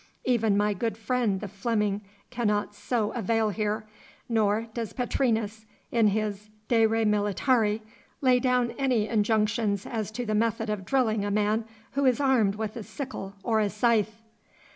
Even my good friend the Fleming cannot so avail here, nor does Petrinus, in his "De re militari," lay down any injunctions as to the method of drilling a man who is armed with a sickle or a scythe.